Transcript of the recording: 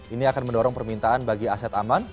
ini akan mendorong permintaan bagi aset aman